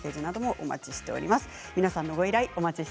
お待ちしています。